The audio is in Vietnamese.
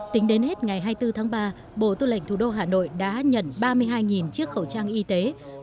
tính đến hết ngày hai mươi bốn tháng ba bộ tư lệnh thủ đô hà nội đã nhận ba mươi hai chiếc khẩu trang y tế